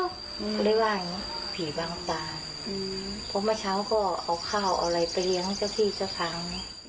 ก็ได้ว่าอย่างนี้ผีบางป่าผมมาเช้าก็เอาข้าวเอาอะไรไปเลี้ยงเจ้าพี่เจ้าพัง